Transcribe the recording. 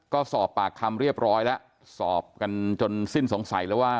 ก็สอบปากคำเรียบร้อยแล้วสอบกันจนสิ้นสงสัยแล้วว่า